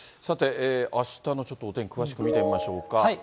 さて、あしたのお天気、詳しく見てみましょうか。